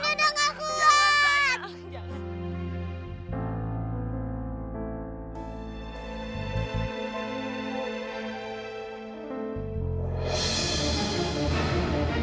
kita statusnya cumosi mikir